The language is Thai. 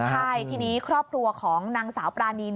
ใช่ทีนี้ครอบครัวของนางสาวปรานี